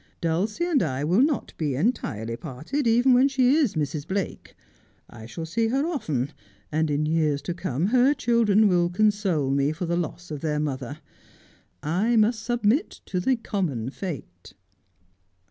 Dulcie and I will not be entirely parted, even when she is Mrs. Blake. I shall see her often, and in years to come her children will console me for the loss of their mother. I must submit to the common fate.'